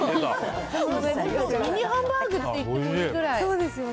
ミニハンバーグって言ってもいいぐらい。